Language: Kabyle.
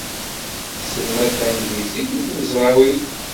Tesselmad tanglizit i tmezrawin.